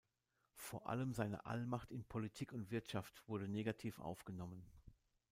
Vor allem seine Allmacht in Politik und Wirtschaft wurde negativ aufgenommen.